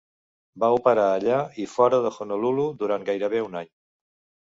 Va operar allà i fora de Honolulu durant gairebé un any.